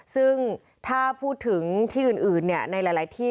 ซึ่งถ้าพูดถึงที่อื่นในหลายที่